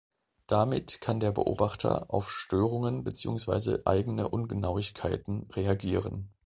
Damit kann der Beobachter auf Störungen beziehungsweise eigene Ungenauigkeiten reagieren.